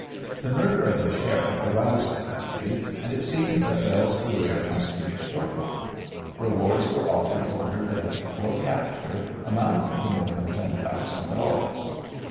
The murder of the Sheriff aroused the country, and it seemed that Belle's career must be a short one. Rewards were offered for her death or capture amounting to more than ten thousand dollars.